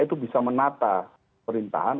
itu bisa menata perintahan